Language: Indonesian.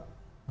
kalau cash ya